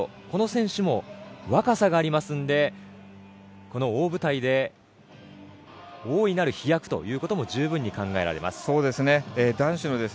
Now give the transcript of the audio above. この選手も、若さがありますのでこの大舞台で大いなる飛躍というのも十分に考えられます。